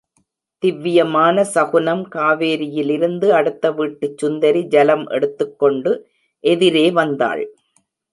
திவ்வியமான சகுனம் காவேரியிலிருந்து அடுத்தவீட்டுச் சுந்தரி ஜலம் எடுத்துக்கொண்டு எதிரே வந்தாள்.